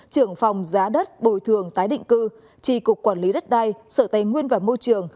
trưởng phòng giá đất bồi thường tái định cư tri cục quản lý đất đai sở tài nguyên và môi trường